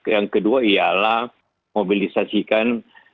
yang kedua ialah mobilisasikan